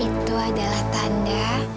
itu adalah tanda